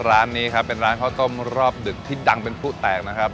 ร้านนี้ครับเป็นร้านข้าวต้มรอบดึกที่ดังเป็นผู้แตกนะครับ